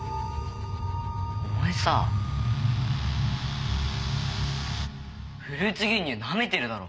お前さフルーツ牛乳ナメてるだろ。